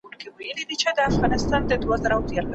پر پردیو به اور بل وي شهامت به پکښي نه وي